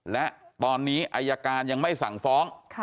และตอนนี้อายการยังไม่สั่งฟ้อง